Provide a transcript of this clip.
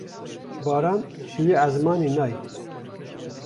Baran ji wî esmanî nayê.